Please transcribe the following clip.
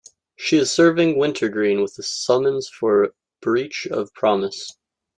She is serving Wintergreen with a summons for breach of promise.